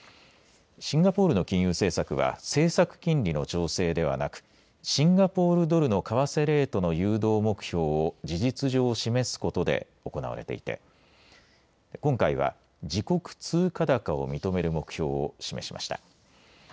シンガポールの金融政策は政策金利の調整ではなくシンガポールドルの為替レートの誘導目標を事実上示すことで行われていて今回は自国通貨高を認める目標を示しました。